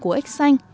của ếch xanh